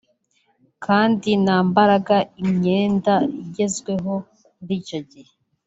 kandi nambaraga imyenda igezweho muri icyo gihe